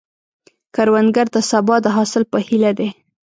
کروندګر د سبا د حاصل په هیله دی